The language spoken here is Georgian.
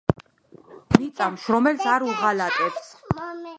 მიწა მშრომელს არ უღალატებს.......